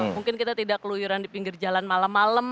mungkin kita tidak keluyuran di pinggir jalan malam malam